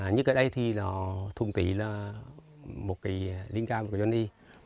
như ở đây thì thùng tỉ là một cây linga của johnny